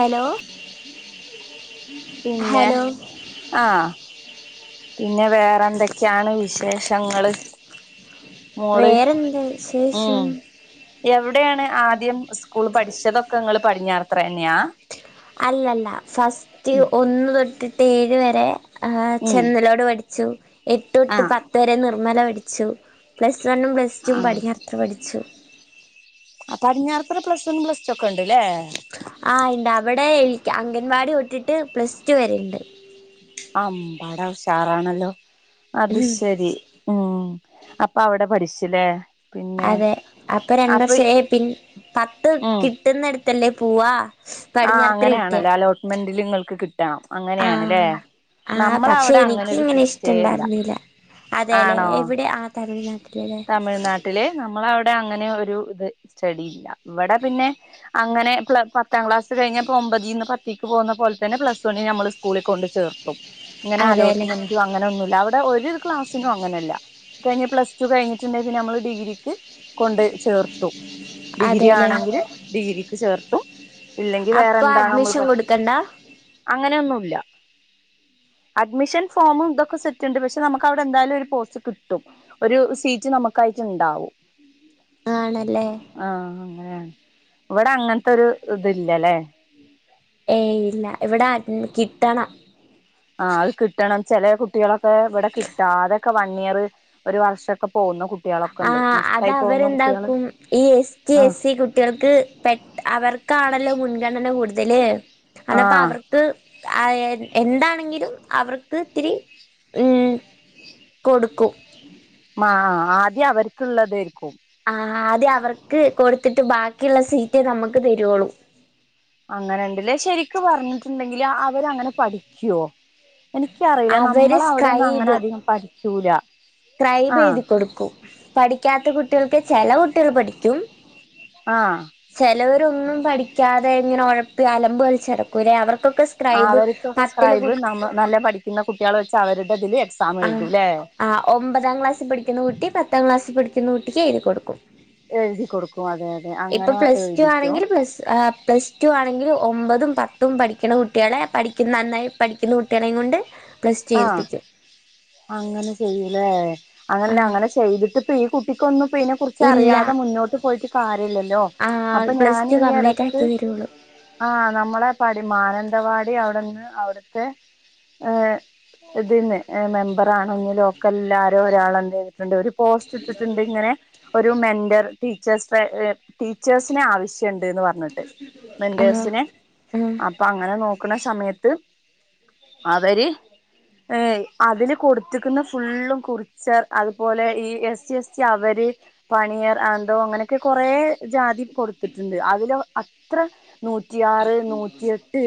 Hello. പിന്നെ hello ആഹ് പിന്നെ വേറെ എന്തൊക്കെയാണ് വി വിശേഷങ്ങള് മോള് വേറെന്ത് വിശേഷം ഉം എവി എവിടെയാണ് ആദ്യം സ്കൂൾ പഠിച്ചതൊക്കെ നിങ്ങള് പടിഞ്ഞാർത്ര ന്നെയാ. അല്ലല്ല ഫസ്റ്റ് ഒന്ന് തൊട്ടിട്ട് ഏഴ് വരെ ഉം ചെന്നലോട് പഠി ച്ചു. എട്ട്ട്ട് ആഹ് പത്ത് വരെ നിർമ്മല പരിച്ചു. പ്ല സണ്ണും പ്ലസ്ടും പഠഞ്ഞത്ര പഠിച്ചു. ആ പടിഞ്ഞാറത്തല പ്ലസ് ന്നും പ്ലസ് ടു ഒക്കെ ഉണ്ട്ല്ലേ. ആ ഇണ്ട് അവിടെ അംഗൻവാടി തൊട്ടിട്ട് പ്ലസ് ടു വരണ്ട്. ആമ്പാട ഉഷാറാണല്ലോ? അത് ഉം ശരി ഉം അപ്പ അവിടെ പഠിച്ചില്ലേ. പിന്നെ അതെ അപ്പൊ രണ്ട വർഷേ പിൻ പത്ത് ഉം കിട്ടുന്നടുത്തല്ലേ പോവാ ആഹ് പടിഞ്ഞാറത്തറ കിട്ടിയ അങ്ങനെയണല്ലോ അലോട്ട്മെന്റിൽ നിങ്ങൾക്ക് കിട്ട ക അങ്ങനെയണല്ലേ ആഹ് ആഹ് പക്ഷെ നമ്മളവിടെ അങ്ങനെരു സിസ്റ്റയല്ല. അതെല്ലെ എവിടെ ആ ത തമിഴ്നാട്ടില് നമ്മള അവിടെ അങ്ങനെ ഒരു ഇത് സ്റ്റഡി ഇല്ല ഇവിടെ പിന്നെ അങ്ങനെ പ പാം ക്ലാസ് കഴിഞ്ഞപ്പോ ഒമ്പതിൽന്ന് പത്തേക്ക് പോകുമ്പോ തന്നെ പ്ലസ് വണ് നമ്മൾ സ്കൂളിൽ കൊണ്ട് ചേർക്കും. ഇങ്ങനെ അതേല്ലേ അലോട്ട്മെന്റും അങ്ങനെ ഒന്നുല്ല അവിടെ ഒരു ക്ലാസിനും അങ്ങനെയല്ല കഴിഞ്ഞ പ്ലസ് പ്ലസ്റ്റു കഴിഞ്ഞട്ടുണ്ടെിൽ പിന്നെ നമ്മൾ ഡിഗ്രിക്ക്. കൊണ്ട് ചേർത്തുംഡിഗ്രി അതേല്ലേ ആണെങ്കിൽ ഡിഗ്രിക്ക് ചേർത്തും. ഇല്ലെങ്കി വേറെ അപ്പൊ എന്താണ് നമ്മൾ അഡ്മിഷൻ പരിക്ക്ണ് കൊടുക്കണ്ട അങ്ങനെയൊന്നുംല്ല. അഡ്മിഷൻ ഫോമും ഇതൊക്കെ സെറ്റ്ണ്ട് പക്ഷെ നമുക്ക് അവിടെ എന്തായാലും ഒരു പോസ്റ്റ് കിട്ടും. ഒരു സീറ്റ് നമുക്കായിട്ട് ഉണ്ടാവും ആണല്ലേ ആഹ അങ്ങനെയ ഇവിടെ അങ്ങനത്തെ ഒരു ഇത് ല്ലേല്ല. ഏയ് ഇല്ല ഇവിടെയെ കിട്ടണം. ആ അത് കിട്ടണം ചെല കുട്ടികളൊക്കെ ഇവിടെ കിട്ടാ തൊക്കെ വൺ ഇയർ ഒരു വർഷൊക്കെ പോകുന്ന കുട്ടികളൊക്കെ ആ ഉണ്ട് അത് നഷ്ടായി പോകുന്ന കുട്ടികള് അവരെന്താക്കും ഈ എസ് കി ആഹ് എസ് സി കുട്ടികൾക്ക് പെട്ട അവർക്ക് അവർക്കാണല്ലോ മുൻഗണന കൂടുതല് അപ്പ ആഹ് അവർക്ക് ആ എന്താണെങ്കിലും അവർക്ക് ഇത്തിരി ഉം കൊടുക്കും. ആ ആദ്യം അവർക്കുള്ളതായിരിക്കും. ആ ആദ്യം അവർക്ക് കൊടുത്തിട്ട് ബാക്കിയുള്ള സീറ്റേ നമുക്ക് തരുളൂ. അങ്ങനെ ഉണ്ടല്ലേ ശരിക്ക പറഞ്ഞിട്ടുണ്ടെങ്കില് അവര് അങ്ങനെ പഠിക്കുവോ? എനിക്കറിയില്ല അവര് നമ്മള അവിടെ ഒന്നും അങ്ങനെ അധികം പഠിക്കൂല. ക്രൈബ് ആഹ് എഴുതി കൊടുക്കുംപഠിക്കാത്ത കുട്ടികൾക്ക് ചെല കുട്ടികൾ പഠിക്കും. ആഹ് ചിലവരൊന്നും പഠിക്കാതെ ഇങ്ങനെ ഉഴപ്പി അലമ്പ് കളിച്ചടക്കൂലേ അവർക്കൊക്കെ സ്ക്രൈബ് അവർക്ക്ക്കെ പത്തില് കു സ്ക്രൈബ് നമ്മ നല്ല പഠിക്കുന്ന കുട്ടികൾ വെച്ച് അവരുടെതിൽ ആ ആ് ഒമ്പതാം ക്ലാസ്ൽ പഠിക്കുന്ന കുട്ടി പത്താം ക്ലാസ്സിൽ പഠിക്കുന്ന കുട്ടിക്ക് എഴുതി കൊടുക്കും. എഴുതി കൊടുക്കും അതെ അതെ ഇപ്പൊ അങ്ങനെ പ്ലസ് ടു എഴുതിക്കും ആണെങ്കിൽ പ പ്ലസ് ടു ആണെങ്കിലും ഒമ്പതും പത്തും പഠിക്കണ കുട്ടികളെ പഠിക്കുന്ന നന്നായി പഠിക്കുന്ന കുട്ടികളെയും കൊണ്ട് ഓ പ്ലസ്ടു ആഹ് ഴുതിപ്പിക്കും. അങ്ങനെ ചെയ്യലേ അങ്ങനല്ല ആഹ് അങ്ങനെ ചെയ്തിട്ടിപ്പ ഈ കുട്ടിക്കൊന്നും അപ്പെ കുറിച്ച് ഇല്ല അറിയാതെ മുന്നോട്ട് പോയിട്ട് കാ ല്ലോ ആഹ് അപ്പൊ പ്ലസ് ടു ഞാനി കംപ്ലീറ്റ് ഇടക്ക് ആക്കി വരുള്ളൂ ആ നമ്മളെ പടി മാനന്ത ടവാടി അവിടെന്ന് അവിടുത്തെ ഏ ഇത് ന് മെമ്പറണോങ്കിലൊ ക്കല്ലരും ഒരാളെന്നെ ഇരിക്കണ്ടത്. പോസ്റ്റ് ഇട്ടിട്ടുണ്ട് ഇങ്ങനെ ഒരു മെന്റർ ടീച്ചേഴ ടീച്ചേഴ്സിനെ ആവശ്യമുണ്ട് ണ്ട് പറഞ്ഞിട്ട് ആഹ് മെന്റേസി നെ ആഹ് അപ്പൊ അങ്ങനെ നോ ക്കുന്ന സമയത്ത് അവര് ഏ അതില് കൊടുത്തക്കുന്ന ഫുള്ളും കുറിച്ചർ അതുപോലെ ഈ എസ് സി എസ് സി അവ പണിയർ ആന്തോ അങ്ങനെയൊക്കെ കൊറ ജാതി കൊടുത്തിട്ടുണ്ട് അതിൽ അത്ര നൂറ്റിയാറ് നൂറ്റിയെട്ട്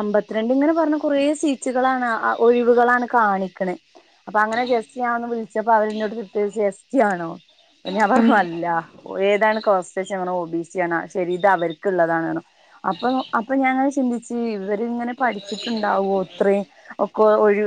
അമ്പത്തിരണ്ട് ഇങ്ങനെ പറഞ്ഞ കുറേ സീറ്റുകളാണ് അ ഒഴിവുകളാണ് കാണിക്കണുന്നത് അപ്പൊ അങ്ങനെ ജെസ്സി ആണന്ന് വിളിച്ചപ്പോ അവരോട് കത്ത ജെസ്റ്റി ആണോ അപ്പം ഞാൻ പറഞ്ഞു ആഹ് അല്ല ഏതാണ് കാസ്റ് ചോയ്ച്ചു അപ്പൊ ഞാൻ പറഞ്ഞു ഒ ബി സിയ ആണ് ശരി ഇത് അവർക്കുള്ളതാണ് ന്ന് അപ്പൊ അപ്പൊ ഞാൻങ്ങനെ ചിന്തിച്ച് ഇവരി ഇങ്ങനെ പഠിച്ചിട്ടുണ്ടാവുമോഇത്രയും ഒക്ക ഒരു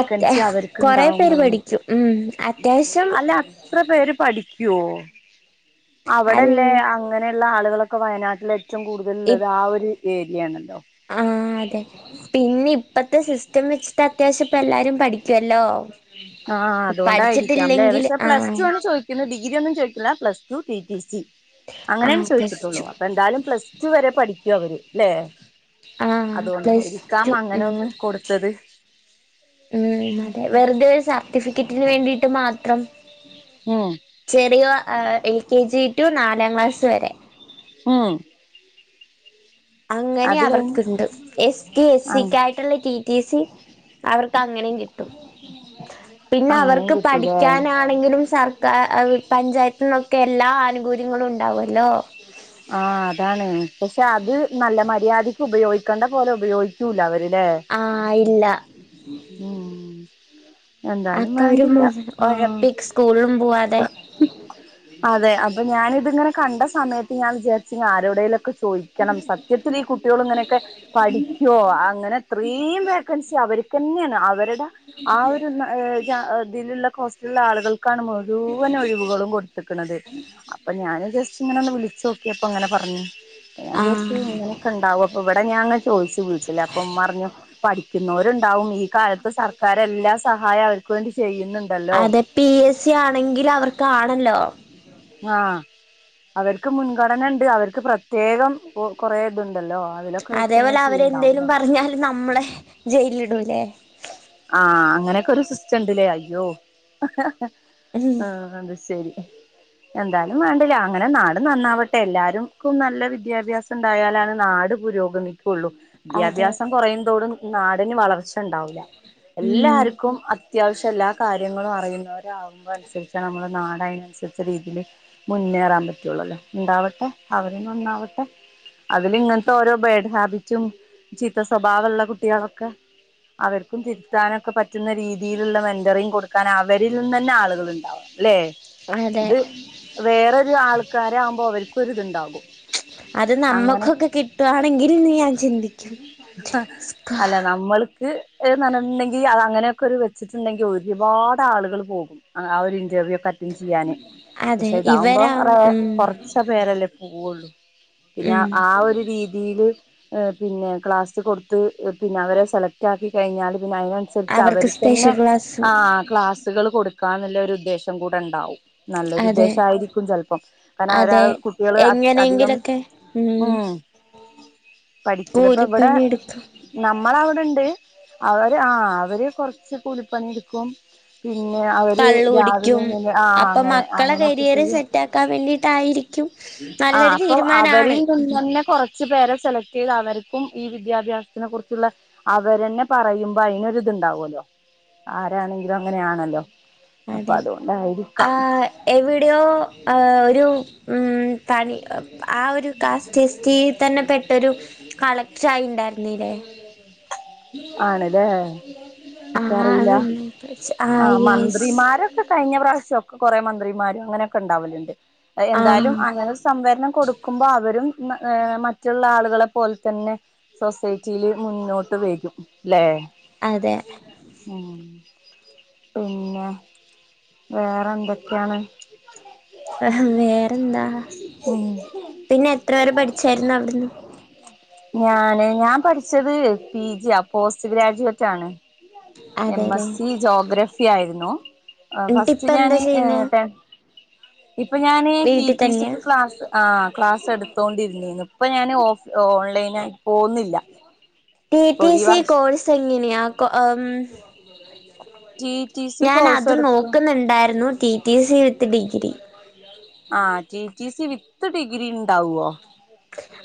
അത്യാ അവർക്ക് കൊറെ ഉണ്ടാവാൻ പേര് പോന്നു പഠിക്കും ഉം അത്യാവശ്യം അല്ല അത്ര പേര് പഠിക്കു അ്യോ അൽ അവിടെല്ലേ അങ്ങനെയുള്ള ആളുകളൊക്കെ വയനാട്ടിലെ ആഹ അതെ പിന്നെ ഇപ്പത്തെ സിസ്റ്റം വെച്ചിട്ട് അത്യാവശ്യം ഇപ്പ എല്ലാരും പഠിക്കുവല്ലോ ആഹ് അതുകൊണ്ടായിരിക്കാംല്ലേ പഠിച്ചിട്ടില്ലെങ്കിൽ പക്ഷെ പ്ലസ് ആഹ് ടു ആണ് ചോദിക്കുന്നത് ഡിഗ്രി ഒന്നും ചോദിക്ക plus two T T C അങ്ങനെയാണ് ആഹ് പ്ലസ് ചോദിച്ചിട്ടുള്ളൂ ടു അപ്പൊ എന്തായാലും പ്ലസ് ടു റ്റും വരെ പഠിക്കും അവര്ല്ലേ ആഹ പ്ലസ് റ്റു ഉ ഒന്ന് കൊടുത്തത് ഉം അതെ വെറുതെ ഒരു സർട്ടിഫിക്കറ്റിന് വേണ്ടിയിട്ട് മാത്രം ഉം ചെറിയോ എൽ കെ ജി ടു നാലാം ക്ലാസ്സ് വരെ ഊ അങ്ങനെ അവർക്കുണ്ട് എസ് പി എസ് ടി ആഹ് കാർക്കായിട്ടുള്ള ടി ടി സി അവർക്ക് അങ്ങനെയും കിട്ടും പിന്നെ അങ്ങനെയും അവർക്ക് കിട്ടൂലേ പഠിക്കാനാണെങ്കിലും സർക്ക പഞ്ചായത്തിന്നൊക്കെ എല്ലാ ആനുകൂല്യങ്ങളും ഉണ്ടാവല്ലോ ആഹ അതാണ് പക്ഷെ അത് നല്ല മര്യാദയ്ക്ക് ഉപയോഗിക്കണ്ട പോലെ ഉപയോഗിക്കൂല അവര് ആഹ ഇല്ല ഉം എന്തായാലും ആക്കരു വേണ്ടില്ല ആഹ് ഒഴപ്പി സ്കൂളും പോവാതെ അതെ അപ്പൊ ഞാാനിതിങ്ങനെ കണ്ട സമയത്ത് ഞാൻ വിചാരിച്ച ആരുടെേിലൊക്കെ ചോദിക്കണം സത്യത്തിൽ ഈ കുട്ടികൾ ഇങ്ങനെയൊക്കെ പഠിക്കുവോ അങ്ങനെ അത്രയും വേക്കൻസി അവർ തന്നെയാണ് അവരുടെ ആ ഒരു ഇതിലുള്ള കോസ്റ്റിലുള്ള ആളുകൾക്ക് ാണ് മുഴുവന ഒഴിവുകളും കൊടുത്തക്കുന്നത് അപ്പൊ ഞാൻ ജസ്റ്റ് ഇങ്ങനെ ഒ വിളിച്ച ചോക്കിയപ്പോ അങ്ങനെ പറഞ്ഞുച്ച ആഹ് ഇങ്ങനൊക്കെ ഉണ്ടാാവും അപ്പ ഇവിടെ ഞങ്ങ ചോദിച്ചു വീട്ടിൽ അപ്പം ഉമ്മ പറഞ്ഞു പഠിക്കുന്നവരുണ്ടാവും ഈ കാലത്ത് സർക്കാര എല്ലാ സ്ക് സഹായം അവർക്ക് വേണ്ടി ചെയ്യും അതെ പി എസ് സി ആണെങ്കിൽ അവർക്കണല്ലോ ആഹ അവർക്ക് മുൻഗണന ഉണ്ട് അവർക്ക് പ്രത്യേകം കൊറെേ ഇതുണ്ട് അതേപോലെ അവരെ എന്തേലും പറഞ്ഞാല് നമ്മളെ ജയിലിടൂല്ലേ ആഹ അങ്ങനെയൊക്കെ ഒരു സിസ്റ്റണ്ടല്ലേ അയ്യോ ഹ ഉം ആഹ അത് ശരി എന്താലും വേണ്ടില്ല അങ്ങനെ നാട് നന്നാവട്ടെ എല്ലാവർക്കും നല്ല വിദ്യാഭ്യാസം ഉണ്ടായാലാണ് നാട് പുരോഗമിക്കുള്ളു അതെ വിദ്യാഭ്യാസം കുറയുന്നതോടും നാടിന് വളർച്ച ഉണ്ടാവൂല്ല ഉം എല്ലാർക്കും അത്യാവശ്യം എല്ലാ കാര്യങ്ങളും അറിയുന്നവർ ആകുമോൾ അനുസരിച്ച നമ്മളെ നാടെ നുസരിച്ച രീതിൽ മുന്നേറാൻ പറ്റുള്ളല്ലോ ഉണ്ടാവട്ടെ അവരിന്ന ഒന്നാവട്ടെ അതിൽ ഇങ്ങനത്തെ ഓരോ ബേഡ് ഹാബിറ്റും ചീത്ത സ്വഭാവൊള്ള കുട്ടികളൊക്കെ അവര് [unintelligible] തിരുത്താനൊക്കെ പറ്റുന്ന രീതിയിലുള്ള മെന്ററിങ് കൊടുക്കാൻ അവരിൽ നിന്ന് തന്നെ ആളുകൾ ഉണ്ടാവാ ല്ലെ അതെ ഇത് വേറൊരു ആൾക്കാരാവുമ്പോ അവർക്കും ഒരുഇതുണ്ടാകും അത് നമ്മക്കൊക്കെ കിട്ടുവാണെങ്കിൽന്ന് ഞാൻ ചിന്തിക്കും ഹ സ്കാ അല്ല നമ്മൾ [unintelligible] അത് അങ്ങനെയൊക്കെ വെച്ചിട്ടുണ്ടെങ്കിൽ ഒരുപാട് ആളുകൾ പോകും ആ ഒരു [unintelligible] [unintelligible] ചെയ്യാന് അതെ പക്ഷെ ഇതാവുമ്പോ ഇവരാ അ ഉം കൊറച്ച പേരല്ലേ പോവുള്ളു പിന്നെ ഉം ആ ഒരു രീതിയില് പിന്നെ ക്ലാസ്സ് കൊടുത്ത് പിന്നെ അവരെ സെലക്ട് ആക്കികഴിഞ്ഞാൽ പിന്നെ അതിനനുസരിച്ച് അവർ അവർക്ക് തന്നെ സ്പെഷ്യൽ ക്ലാസ് ആ ക്ലാസുകൾ [unintelligible] [unintelligible] എന്നുള്ള ഒരു ഉദ്ദേശം കൂടെ ഉണ്ടാവും നല്ലൊരു അതെ ഉദ്ദേശായിരിക്കും ചെലപ്പം കാരണം അവരാൾ അതെ കുട്ടികള് അധികം ഉം. പഠിക്കൂല ഇപ്പൊ ഇവിടെ കൂലിപ്പണി എടുക്കും [unintelligible] നമ്മളവിടെണ്ട് അവര് ആ അവര് കൊറച്ച് കൂലിപ്പണി എടുക്കും പിന്നെ അവര് കള്ള് രാവിലെ കുടിക്കും ആ അപ്പൊ അങ്ങനെ മക്കളെ അങ്ങനെക്കെ കരിയർ [unintelligible] സെറ്റ് ആക്കാൻ വേണ്ടിട്ടായിരിക്കും ആ നല്ലൊരു അപ്പം തീരുമാനാണ് അവരിൽ നിന്ന് തന്നെ കൊറച്ച് പേരെ സെലക്ട് ചെയ്ത് അവര് [unintelligible] ഈ, വിദ്യാഭ്യാസത്തിനെ കുറിച്ചുള്ള അവരന്നെ പറയുമ്പോ അയ്നൊരു തുണ്ടാല്ലോ ആരാണെങ്കിലും അങ്ങനെയാണല്ലോ അപ്പൊ അതെ ആ അതുകൊണ്ടായിരിക്കാം എവിടെയോ ആ ഒരു ഉം പണി ആ ഒരു കാസ്റ്റ് [unintelligible] തന്നെ പെട്ടൊരു കളക്ടായി ഉണ്ടായിുനീല്ലേ ആണല്ലേ എനിക്കറിയില്ല ആ മന്ത്രി മാരൊക്കെ കഴിഞ്ഞപ്രാവശ്യം ഒക്കെകൊറെ മന്ത്രിമാരും അങ്ങനെയൊക്കെ ഉണ്ടാവലുണ്ട് ആ എന്തായാലും അങ്ങനെ സംവരണം കൊടുക്കുമ്പോ അവരും മറ്റുള്ള ആളുകളെ പോലെ തന്നെ സൊസൈറ്റിയിൽ മുന്നോട്ട് വരും ലേ അതെ ആ പിന്നെ വേറെ എന്തൊക്കെയാണ് ആ വേറെന്താ ഉം പിന്നെ എത്ര പേരെ പഠിച്ചായിരുന്നു അവിടുന്ന് ഞാന് ഞാൻ പഠിച്ചത് പിജി ആ പോസ്റ്റ് ഗ്രാജുവേറ്റ് ആണ് എം അതെല്ലേ എസ് സി ജോഗ്രഫി ആയിരുന്നു ആ എന്നിട്ട് ഇപ്പ ഫസ്റ്റ് എന്താ ഞാന് ചെയ്യുന്നെ [unintelligible] ഇപ്പൊ ഞാന് ടി വീട്ടിൽ ടി തന്നെയാ സിക്ക് ക്ലാസ്സ് ആ ക്ലാസ് എടു [unintelligible] ഇപ്പൊ ഞാൻ ഓഫ് ഓൺലൈനായി പോകുന്നുന്നില്ല ടി റ്റി സി കോഴ്സ് എങ്ങനെയാ ടി ടി [unintelligible] സി ഞാൻ കോഴ്സ് അത് എടുക്കും നോക്കുന്നുണ്ടായിരുന്നു T T C with degree ആ T T C with degree ണ്ടാവുവോ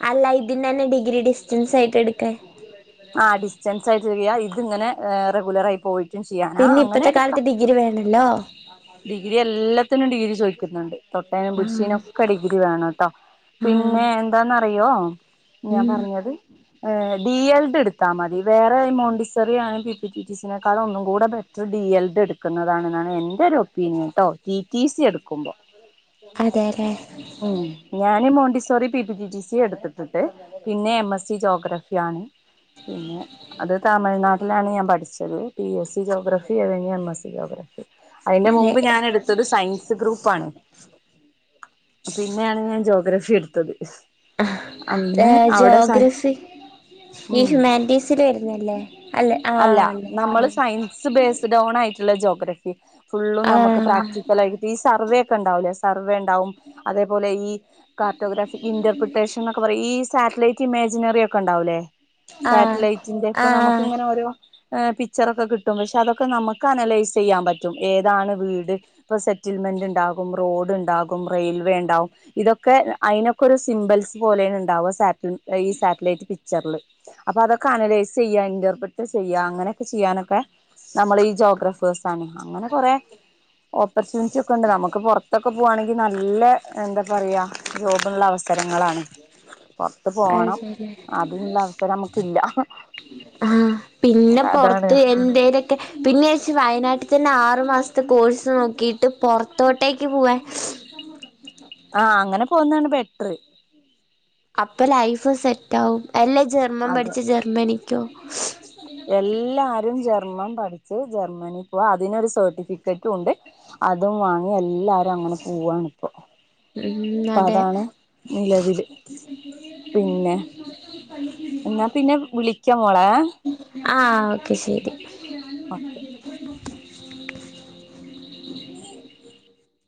അല്ല ഇതിന്നന്നെ ഡിഗ്രി ഡിസ്റ്റൻസ് ആയിട്ട് [unintelligible] [unintelligible] ഇത്ങ്ങനെ റെഗുലർ ആയി പോയിട്ടും ചെയ്യാനാ പിന്നെ അങ്ങനെ ഇപ്പത്തെ കാലത്ത് എടുക്കാം ഡിഗ്രി വേണല്ലോ ഡിഗ്രി എല്ലാത്തിനും ഡിഗ്രി ചോദിക്കുന്നുണ്ട് തൊട്ടേനും ആ പിടിച്ചെനും ഒക്കെ ഡിഗ്രി വേണംട്ടോ ആ പിന്നെ എന്താന്നറിയോ ഞാൻ ഉം പറഞ്ഞത് ഏ ഡി എൽ ഡ് എടുത്താമതി, വേറെ മോണ്ടിസോറി ആണ് പി പി ടി ടി സിനേക്കാളും ഒന്നും കൂടെ better D El Ed എടുക്കുന്നതാണെന്നാണ് എന്റെ ഒരു ഒപ്പീനിയൻ ട്ടോ, ടി ടി സി എടുക്കുമ്പോ. അതെല്ലേ ഉം ഞാന്, Montessori P P T T C എടുത്തിട്ടിട്ട് പിന്നെ, എം എസ് സി ജോഗ്രഫി ആണ് പിന്നെ അത് തമിഴ്നാ ലാണ് ഞാൻ പഠിച്ചത് പി എസ് സി ജോഗ്രഫി കഴിഞ്ഞ് എം എസ് സി ജോഗ്രഫി അതിന്റെ മും മ്പ് ഞാനെടുത്തദ് സയൻസ് ഗ്രൂപ്പാണ്. പിന്നെയാണ് ഞാൻ ജോഗ്രഫി എടുത്തത്. അന്ന് അതെ അവിടെ സ ജോഗ്രഫി ഈ ഊം ഹ്യൂമാനിറ്റീസിൽ വരുന്നല്ലേ അല്ലെ ആഹ് അല്ല, അല്ലെ നമ്മള് ആഹ് സയൻസ് ബേസ്ഡ് ഓൺ ആയി ള്ള ജോഗ്രഫി ഫുുള്ളള് നമുക്ക് ആഹ് പ്രാക്ടിക്കലായിട്ട് ഈ സർവേ ഒക്കെണ്ടാവൂല്ലേ സർവേ ണ്ടാവും അതേപോലെ, ഈ കാർട്ടോഗ്രാഫി, ഇന്റർപ്രിറ്റേഷൻൊക്കെ പറയ് ഈ സാറ്റലൈറ്റ് ക്കിമേജിനറിയൊക്കെണ്ടാവുലെ ആഹ് സാറ്റ്ലൈറ്റിന്റെ പ്പൊ ആഹ് നമുക്കിങ്ങനെ ങ് പിക്ചറൊക്കെ കിട്ടും പക്ഷെ, അതൊക്കെ നമുക്ക് അനലൈസ് ചെയ്യാൻ പറ്റും ഏതാണ് വീട് ഇപ്പൊ സെറ്റ് റ്റിൽമെന്റുണ്ടാകും, റോഡ് ഉണ്ടാകും, റെയിൽവേ ഉണ്ടാകും ഇതൊക്കെ അതിനൊക്കെ ഒരു സിമ്പൽസ് പോലെ ണ്ടാവും സാറ്റ ഈ സാറ്റലൈറ്റ് പിക്ചറില് അപ്പൊ അതൊക്കെ അനലൈസ് ചെയ്യാ ഇന്റർപ്ര ന്താ ചെയ്യ അങ്ങനൊക്കെ ചെയ്യാനൊക്കെ നമ്മൾ ഈ ജോഗ്രഫേഴസ് ആണ് അങ്ങനെ കുറേ ഓപ് ഓപ്പർച്യൂണിറ്റി ഒക്കെ ഉണ്ട്. നമുക്ക് പുറത്തൊക്കെ പോകുകവാണെങ്കിൽ നല്ല എന്താ പറയ ജോബിനുള്ള അവസ് സ്ഥലങ്ങളാണ്. പുറത്ത് അത് പോണം ശരി അതിനുള്ള അവസരം നമുക്കില്ല. ആഹ് പിന്നെ അതാണ് പുറത്ത് എന്തേലൊക്കെ പിന്നേച്ചി വയനാ വീട്ടീ തന്നെ ആറു മാസത്തെ കോഴ്സ് നോക്കിട്ട് പൊറത്തോട്ടേക്ക് പോവാൻ. ആഹ് അങ്ങനെ പോവുന്നതാണ് ബെറ്ററ്. അപ്പൊ ലൈഫ് സെറ്റ് ആവും അല്ലെ ജർമ്മൻ അതെ പഠിച്ചു ജർമ്മനിക്കോ എല്ലാരും ജർ ജർമൻ പഠിച്ചു ജർമനീ പോവാ, അതിനൊരു സർട്ടിഫിക്കറ്റും ഉണ്ട്, അതും വാങ്ങി എല്ലാരും അങ്ങനെ പോവാണിപ്പൊ. ഉം അപ്പൊ അതെ അതാണ് നിലവില്. പിന്നെ എന്നാ പിന്നെ വിളിക്കാ മോളെ ങേ ആ ഓക്കെ ശരി. ഓക്കെ. [inaudible]